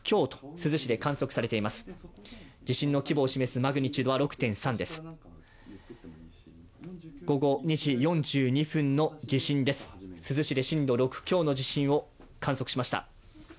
珠洲市で震度６強を観測しました。